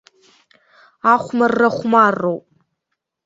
Ахәмарра хәмарроуп!